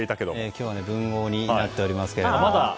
今日は文豪になっております。